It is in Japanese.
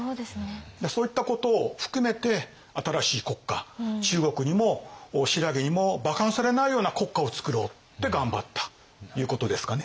そういったことを含めて新しい国家中国にも新羅にもばかにされないような国家をつくろうって頑張ったということですかね。